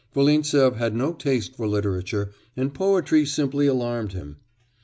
Volintsev had no taste for literature, and poetry simply alarmed him.